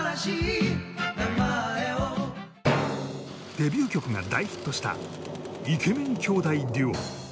デビュー曲が大ヒットしたイケメン兄弟デュオ